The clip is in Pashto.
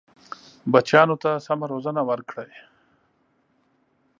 بچیانو ته سمه روزنه ورکړئ.